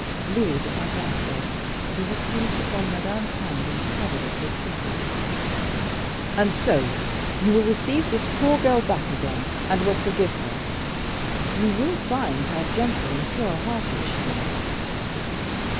Louis did not answer. He had seized upon Madame's hand and covered it with kisses. "And so you will receive this poor girl back again, and will forgive her; you will find how gentle and pure hearted she is."